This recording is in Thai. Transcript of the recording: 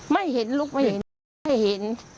ไม่เห็นลุกไม่เห็น